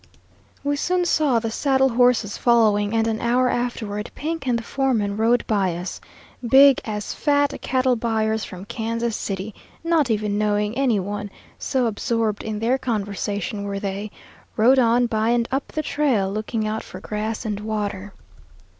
We soon saw the saddle horses following, and an hour afterward Pink and the foreman rode by us, big as fat cattle buyers from Kansas City, not even knowing any one, so absorbed in their conversation were they; rode on by and up the trail, looking out for grass and water.